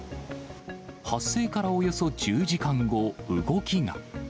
発生からおよそ１０時間後、動きが。